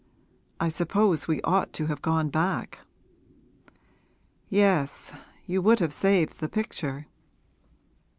I suppose we ought to have gone back.' 'Yes; you would have saved the picture.'